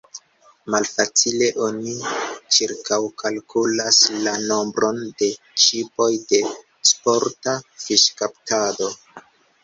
Malfacile oni ĉirkaŭkalkulas la nombron de ŝipoj de sporta fiŝkaptado.